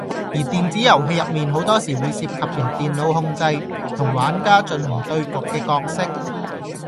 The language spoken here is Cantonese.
而電子遊戲入面好多時會涉及由電腦控制，同玩家進行對局嘅角色